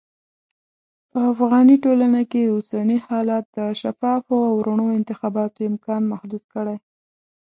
په افغاني ټولنه کې اوسني حالات د شفافو او رڼو انتخاباتو امکان محدود کړی.